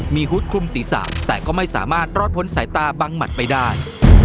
มีฮุดคลุมศีรษะแต่ก็ไม่สามารถรอดพ้นสายตาบังหมัดไปได้